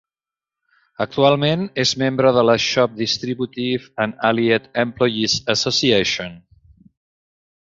Actualment és membre de la Shop Distributive and Allied Employees Association.